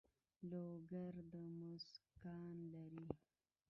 لوګر د مسو کان لري